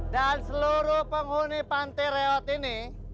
dan seluruh penghuni panti reot ini